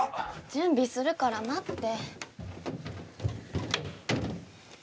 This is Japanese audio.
準備するから待って。